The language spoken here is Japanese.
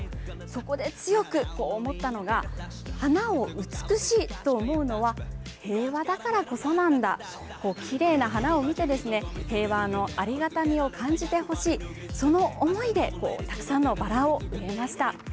そこで強く思ったのが、花を美しいと思うのは、平和だからこそなんだ、きれいな花を見て、平和のありがたみを感じてほしい、その思いで、たくさんのバラを植えました。